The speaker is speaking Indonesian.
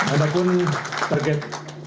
ada pun target